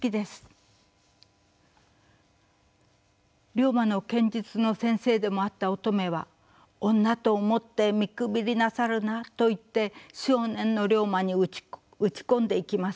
竜馬の剣術の先生でもあった乙女は「女と思って見くびりなさるな」と言って少年の竜馬に打ち込んでいきます。